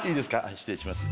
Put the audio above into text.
失礼します。